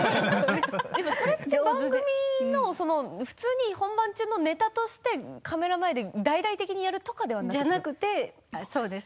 それ、番組の、普通の本番中のネタとしてカメラ前で大々的にやるとかではそうです。